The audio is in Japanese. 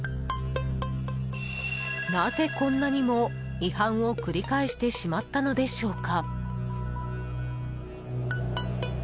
なぜ、こんなにも違反を繰り返してしまったのでしょうか。